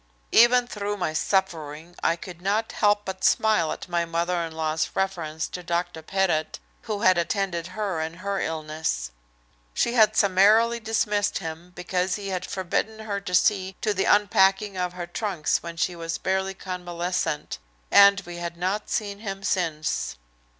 Even through my suffering I could not help but smile at my mother in law's reference to Dr. Pettit, who had attended her in her illness. She had summarily dismissed him because he had forbidden her to see to the unpacking of her trunks when she was barely convalescent, and we had not seen him since.